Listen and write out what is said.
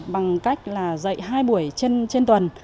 bằng cách dạy hai buổi trên tuần